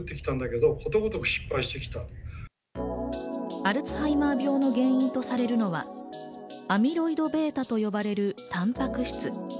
アルツハイマー病の原因とされるのはアミロイドβと呼ばれるタンパク質。